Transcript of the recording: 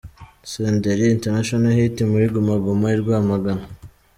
Senderi International Hit muri Guma Guma i Rwamagana.